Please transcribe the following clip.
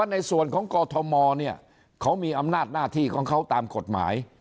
ในส่วนของกอทมเนี่ยเขามีอำนาจหน้าที่ของเขาตามกฎหมาย